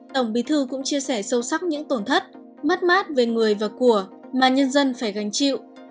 tổng bí thư cũng chia sẻ sâu sắc những tổn thất mất mát về người và của mà nhân dân phải gánh chịu